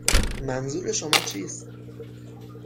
منظور شما چیست؟